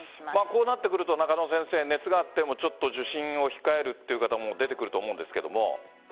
こうなってくると熱があってもちょっと受診を控えるという方も出てくると思うんですが。